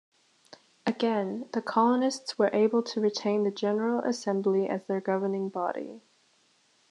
Again, the colonists were able to retain the General Assembly as their governing body.